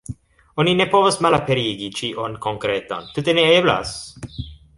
Oni ne povas malaperigi ĉion konkretan, tute ne eblas.